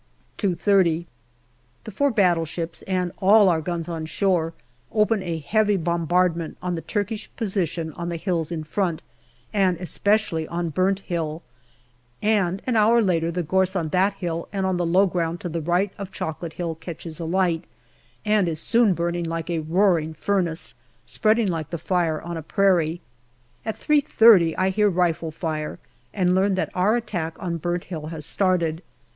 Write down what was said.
2.30. The four battleships and all our guns on shore open a heavy bombardment on the Turkish position on the hills in front, and especially on Burnt Hill, and an hour later the gorse on that hill and on the low ground to the right of Chocolate Hill catches alight, and is soon burning like a roaring furnace, spreading like the fire on a prairie. At 3.30 I hear rifle fire and learn that our attack on Burnt Hill has started.